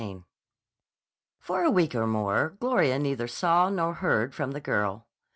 CHAPTER XIX FOR a week or more Gloria neither saw nor heard from the girl.